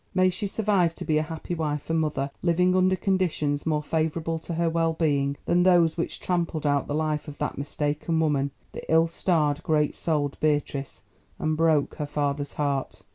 May she survive to be a happy wife and mother, living under conditions more favourable to her well being than those which trampled out the life of that mistaken woman, the ill starred, great souled Beatrice, and broke her father's heart.